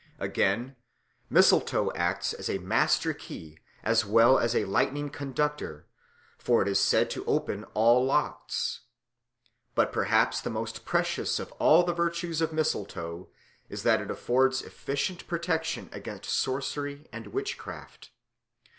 Again, mistletoe acts as a master key as well as a lightning conductor; for it is said to open all locks. But perhaps the most precious of all the virtues of mistletoe is that it affords efficient protection against sorcery and witchcraft.